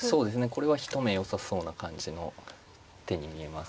これは一目よさそうな感じの手に見えます。